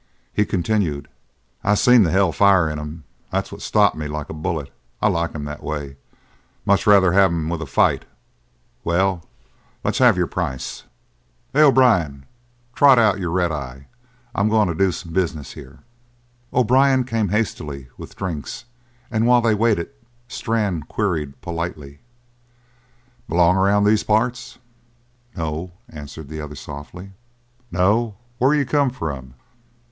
He continued: "I seen the hell fire in him. That's what stopped me like a bullet. I like 'em that way. Much rather have 'em with a fight. Well, let's have your price. Hey, O'Brien, trot out your red eye; I'm going to do some business here!" O'Brien came hastily, with drinks, and while they waited Strann queried politely: "Belong around these parts?" "No," answered the other softly. "No? Where you come from?"